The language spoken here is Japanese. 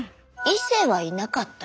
「いせ」はいなかった。